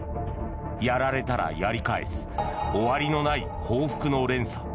やられたらやり返す終わりのない報復の連鎖。